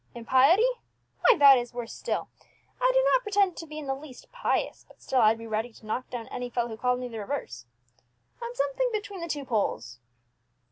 Impiety? Why, that is worse still! I do not pretend to be in the least pious, but still I'd be ready to knock down any fellow who called me the reverse. I'm something between the two poles.